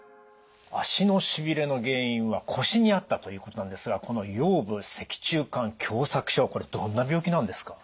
足のしびれの原因は腰にあったということなんですがこの腰部脊柱管狭窄症これどんな病気なんですか？